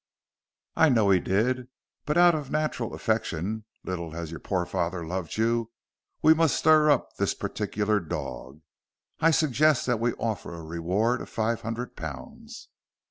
"I know he did, but out of natural affection, little as your poor father loved you, we must stir up this particular dog. I suggest that we offer a reward of five hundred pounds."